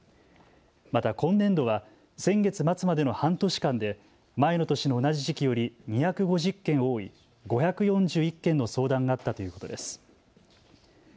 また今年度は先月末までの半年間で前の年の同じ時期より２５０件多い５４１件の相談があったということです。